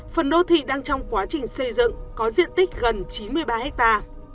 phần đô thị đang trong quá trình xây dựng có diện tích gần chín mươi ba hectare